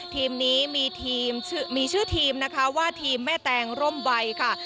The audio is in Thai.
ทีมนี้มีทีมมีชื่อทีมนะคะว่าทีมแม่แตงร่มใบค่ะ